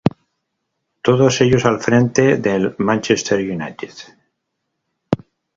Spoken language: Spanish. Todos ellos al frente del Manchester United.